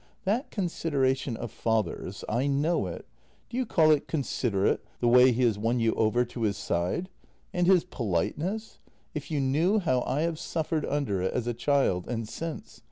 "That consideration of father's — I know it. Do you call it considerate the way he has won you over to his side? And his politeness — if you knew how I have suffered under it as a child, and since.